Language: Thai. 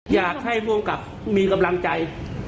อยากให้ภูมิกับมีกำลังใจ